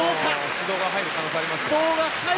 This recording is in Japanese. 指導が入る可能性があります。